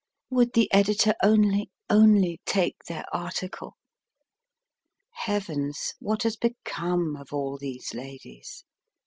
Would the editor only only take their article ? Heavens ! what has become of all these ladies